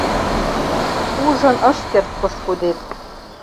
Ужын ыш шкерт пошкудет.